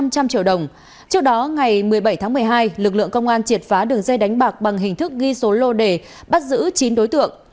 trước đó ngày một mươi bảy tháng một mươi hai lực lượng công an triệt phá đường dây đánh bạc bằng hình thức ghi số lô đề bắt giữ chín đối tượng